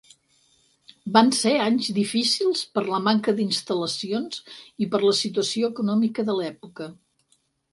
Van ser anys difícils per la manca d'instal·lacions i per la situació econòmica de l'època.